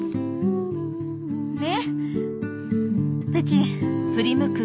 ねっペチ。